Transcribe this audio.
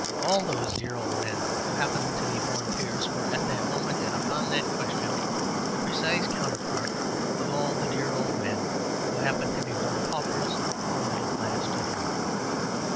All those dear old men who happened to be born peers were at that moment, and upon that question, the precise counterpart of all the dear old men who happened to be born paupers or middle class gentlemen.